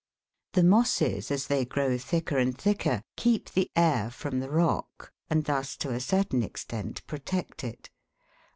The mosses, as they grow thicker and thicker, keep the air from the rock, and thus to a certain extent protect it ; on MINERAL FOOD OF PLANTS.